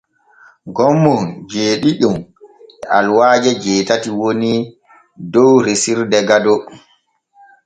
Gommon jeeɗiɗon e aluwaaje jeetati woni dow resirde Gado.